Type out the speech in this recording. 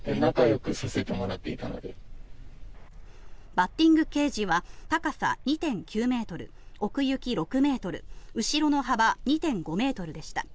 バッティングケージは高さ２．９ｍ奥行き６ｍ後ろの幅２．５ｍでした。